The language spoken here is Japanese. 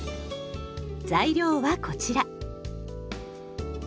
材料はこちら。